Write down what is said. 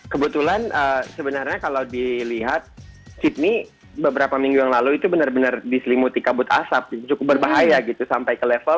kebetulan sebenarnya kalau dilihat sydney beberapa minggu yang lalu itu benar benar diselimuti kabut asap cukup berbahaya gitu sampai ke level